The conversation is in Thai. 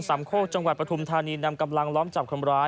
ตำรวจปฐุมธานีนำกำลังล้อมจับคนร้าย